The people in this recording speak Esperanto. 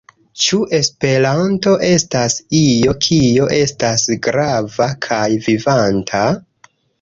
Ĉu Esperanto estas io, kio estas grava kaj vivanta?